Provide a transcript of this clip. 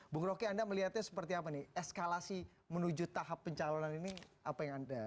bung roky anda melihatnya seperti apa nih eskalasi menuju tahap pencalonan ini apa yang anda